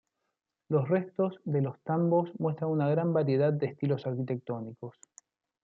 Los restos de los tambos muestran una gran variedad de estilos arquitectónicos.